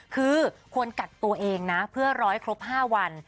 คืออการกรับตัวเองนะเพื่อ๑๐๐ครบ๕วัน